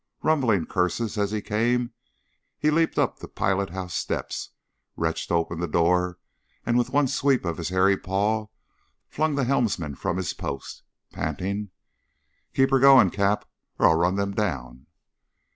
Rumbling curses as he came, he leaped up the pilot house steps, wrenched open the door, and with one sweep of his hairy paw flung the helmsman from his post, panting, "Keep her going, Cap', or I'll run them down!"